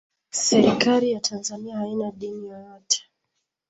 serikali ya tanzania haina dini yoyote